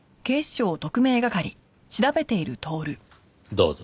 どうぞ。